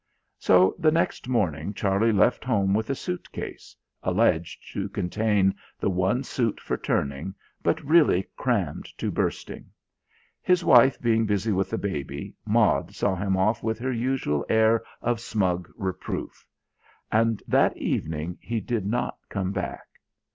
So the next morning Charlie left home with a suit case alleged to contain the one suit for turning, but really crammed to bursting. His wife being busy with the baby, Maud saw him off with her usual air of smug reproof; and that evening he did not come back.